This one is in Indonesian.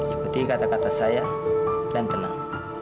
ikuti kata kata saya dan tenang